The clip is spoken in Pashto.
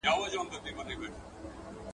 من خورم، سېر گټم، اوسم، که درځم.